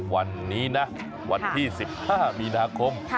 วันนี้นะวันที่๑๕มีนาคม